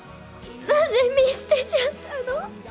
何で見捨てちゃったの？